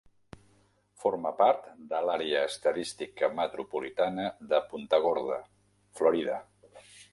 Forma part de l'Àrea Estadística Metropolitana de Punta Gorda, Florida.